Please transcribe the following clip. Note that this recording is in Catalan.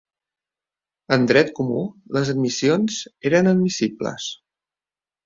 En dret comú, les admissions eren admissibles.